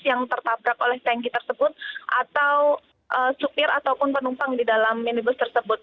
yang tertabrak oleh tanki tersebut atau supir ataupun penumpang di dalam minibus tersebut